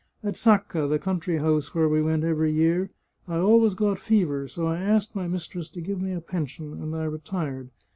At Sacca, the country house where we went every year, I always got fever, so I asked my mistress to give me a pension, and I 20$ The Chartreuse of Parma retired.